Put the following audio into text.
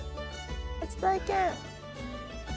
初体験。